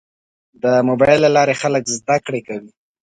د موبایل له لارې خلک زده کړه کوي.